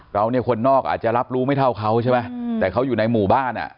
เราเนี่ยคนนอกอาจจะรับรู้ไม่เท่าเขาใช่ไหมแต่เขาอยู่ในหมู่บ้านอ่ะ